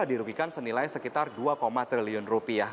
yang dirugikan senilai sekitar dua tiga triliun rupiah